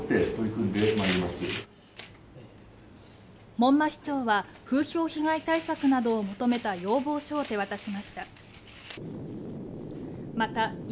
門馬市長は風評被害対策などを求めた要望書を手渡しました。